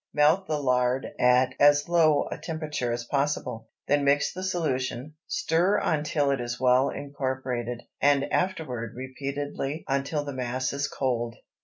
Melt the lard at as low a temperature as possible, then add the solution, stir until it is well incorporated, and afterward repeatedly until the mass is cold.